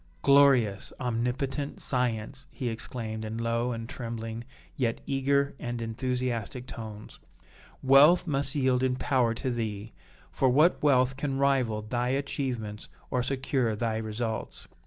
"Glorious, omnipotent science!" he exclaimed in low and trembling, yet eager and enthusiastic tones. "Wealth must yield in power to thee, for what wealth can rival thy achievements or secure thy results?